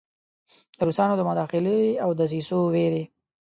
د روسانو د مداخلې او دسیسو ویرې.